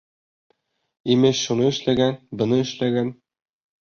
Имеш, шуны эшләгән, быны эшләгән.